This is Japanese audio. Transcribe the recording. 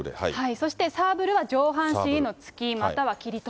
そして、サーブルは上半身への突き、または斬りと。